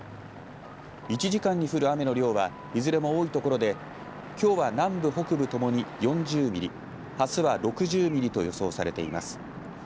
１時間に降る雨の量はいずれも多いところできょうは南部北部ともに４０ミリあすは６０ミリと予想されています。